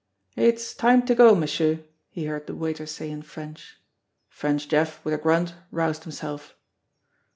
"It's time to go, monsieur," he heard the waiter say ifl French. French Jeff, with a grunt, roused himself.